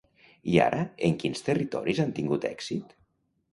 I ara, en quins territoris han tingut èxit?